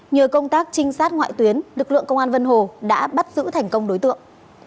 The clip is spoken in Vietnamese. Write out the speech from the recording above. nhờ công tác trinh sát ngoại tuyến lực lượng công an vân hồ đã bắt giữ thành công đối tượng